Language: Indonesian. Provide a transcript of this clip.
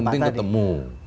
yang penting ketemu